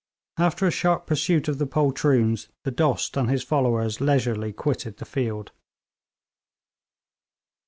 After a sharp pursuit of the poltroons, the Dost and his followers leisurely quitted the field.